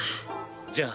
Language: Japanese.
じゃあ。